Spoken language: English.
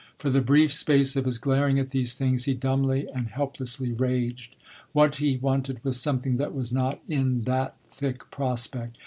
For the brief space of his glaring at these things he dumbly and helplessly raged. What he wanted was something that was not in that thick prospect.